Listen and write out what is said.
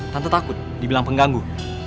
tante takut dibilang pengganggu